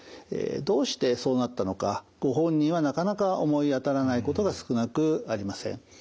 どうしてそうなったのかご本人はなかなか思い当たらないことが少なくありません。